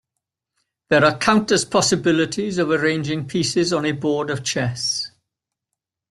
There are countless possibilities of arranging pieces on a board of chess.